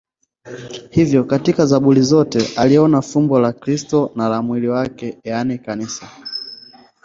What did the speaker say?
Hivyo katika Zaburi zote aliona fumbo la Kristo na la mwili wake, yaani Kanisa.